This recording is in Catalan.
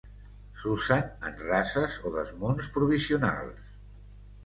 S'usen en rases o desmunts provisionals.